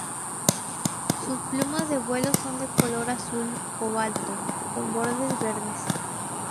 Sus plumas de vuelo son de color azul cobalto con bordes verdes.